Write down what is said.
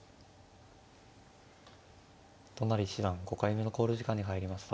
都成七段５回目の考慮時間に入りました。